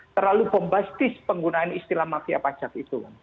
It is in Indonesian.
terlalu bombastis penggunaan istilah mafia pajak itu